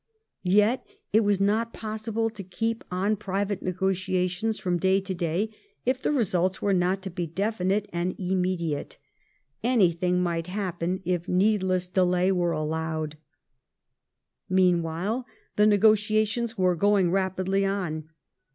Yet it was not possible to keep on private negotiations from day to day if the results were not to be definite and im mediate. Anything might happen if needless delay were allowed. Meanwhile the negotiations were going rapidly on.